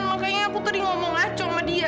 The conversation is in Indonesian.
makanya aku tadi ngomong aco sama dia